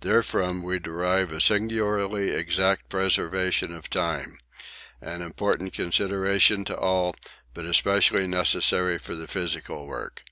Therefrom we derive a singularly exact preservation of time an important consideration to all, but especially necessary for the physical work.